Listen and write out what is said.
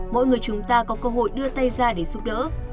mỗi người chúng ta có cơ hội đưa tay ra để giúp đỡ